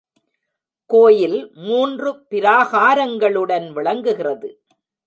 கோயில் மூன்று பிராகாரங்களுடன் விளங்குகிறது.